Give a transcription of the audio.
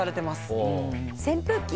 扇風機？